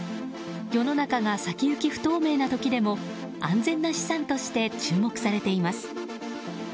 世の中が先行き不透明な時でも安全な資産として注目されています。